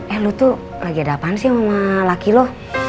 eh lu tuh lagi ada apaan sih sama laki lu